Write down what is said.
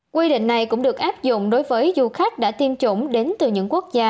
quy định này cũng được áp dụng đối với du khách đã tiêm chủng đến từ những quốc gia